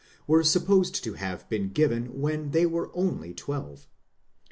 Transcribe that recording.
were supposed to have been given when they were only twelve.?